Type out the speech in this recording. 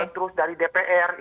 terus dari dpr